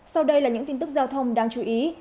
sau đây là những tin tức giao thông đáng chú ý